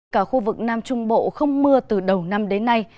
cả khu vực nam trung bộ không mưa từ đầu năm đến nay